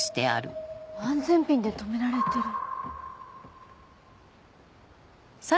安全ピンで留められてる。